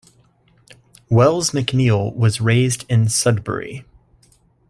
Wells-McNeil was raised in Sudbury.